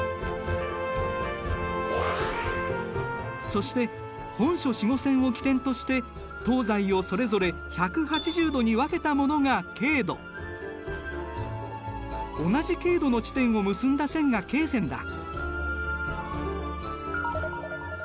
そして本初子午線を基点として東西をそれぞれ１８０度に分けたものが経度同じ経度の地点を結んだ線が経線だ。